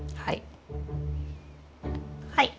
はい。